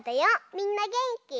みんなげんき？